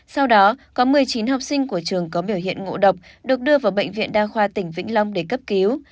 sau đó có một mươi chín học sinh của trường có biểu hiện ngộ độc được đưa vào bệnh viện đa khoa tỉnh vĩnh long để cấp cứu